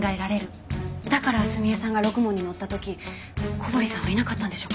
だから澄江さんがろくもんに乗った時小堀さんはいなかったんでしょうか。